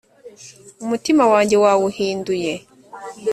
umutima wanjye wawuhinduye